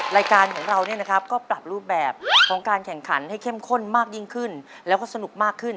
รายการของเราเนี่ยนะครับก็ปรับรูปแบบของการแข่งขันให้เข้มข้นมากยิ่งขึ้นแล้วก็สนุกมากขึ้น